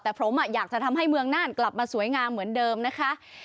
แต่ผมอยากจะทำให้เมืองน่านกลับมาสวยงามเหมือนเดิมนะคะ